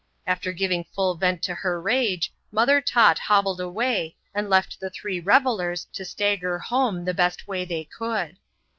After giving full vent to her rage. Mother Tot hobbled away, and left the three revellers to stagger home the best way they could.